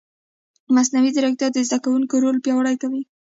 مصنوعي ځیرکتیا د زده کوونکي رول پیاوړی کوي.